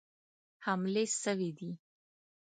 حملې سوي دي.